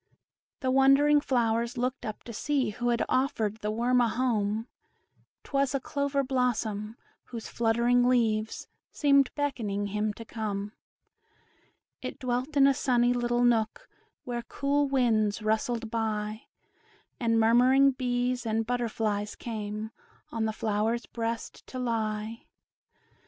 The wondering flowers looked up to see Who had offered the worm a home: 'T was a clover blossom, whose fluttering leaves Seemed beckoning him to come; It dwelt in a sunny little nook, Where cool winds rustled by, And murmuring bees and butterflies came, On the flower's breast to lie.